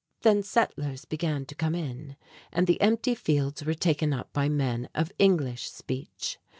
Then settlers began to come in, and the empty fields were taken up by men of English speech.